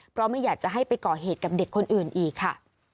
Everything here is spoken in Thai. เพราะไม่อยากจะให้ไปก่อเหตุกับเด็กคนอื่นอีกค่ะ